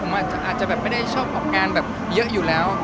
ผมอาจจะแบบไม่ได้ชอบออกงานแบบเยอะอยู่แล้ว